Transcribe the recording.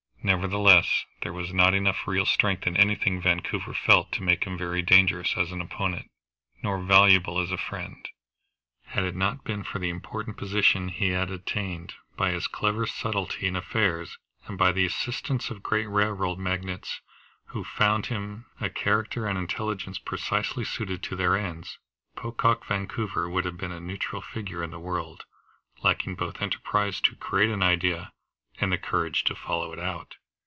Nevertheless there was not enough real strength in anything Vancouver felt to make him very dangerous as an opponent, nor valuable as a friend. Had it not been for the important position he had attained by his clever subtlety in affairs, and by the assistance of great railroad magnates who found in him a character and intelligence precisely suited to their ends, Pocock Vancouver would have been a neutral figure in the world, lacking both the enterprise to create an idea and the courage to follow it out.